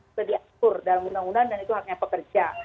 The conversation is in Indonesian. sudah diatur dalam undang undang dan itu haknya pekerja